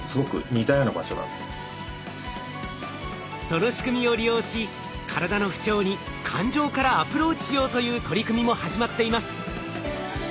その仕組みを利用し体の不調に感情からアプローチしようという取り組みも始まっています。